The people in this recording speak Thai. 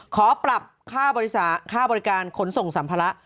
ขอปรับค่าบริการขนส่งสัมภาระ